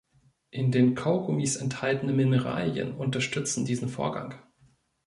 In den Kaugummis enthaltene Mineralien unterstützen diesen Vorgang.